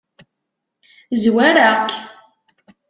Zwareɣ-k.